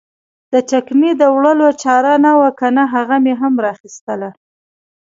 د چکنۍ د وړلو چاره نه وه کنه هغه مې هم را اخیستله.